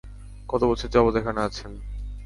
কতবছর যাবৎ এখানে আছেন?